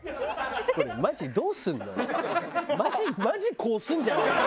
マジマジこうするんじゃねえの？